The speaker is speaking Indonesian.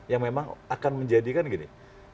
yang memang akan menjadikan gini